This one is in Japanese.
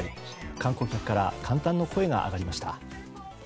観光客から感嘆の声が上がりました。